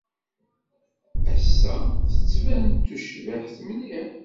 Ass-a, tettban-d d tucbiḥt mliḥ.